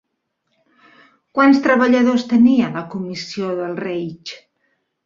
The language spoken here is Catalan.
Quants treballadors tenia la Comissió del Reich?